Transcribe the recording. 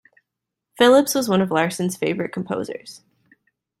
Phillips was one of Larson's favorite composers.